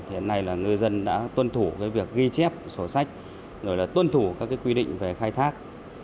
thế này là ngư dân đã tuân thủ việc ghi chép sổ sách tuân thủ các quy định về khai thác